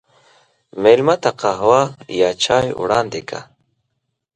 مېلمه ته قهوه یا چای وړاندې کړه.